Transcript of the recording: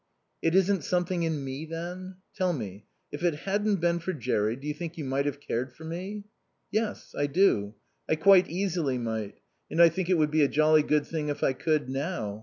"It isn't something in me, then? Tell me if it hadn't been for Jerry, do you think you might have cared for me?" "Yes. I do. I quite easily might. And I think it would be a jolly good thing if I could, now.